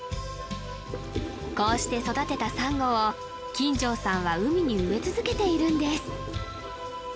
こうして育てたサンゴを金城さんは海に植え続けているんです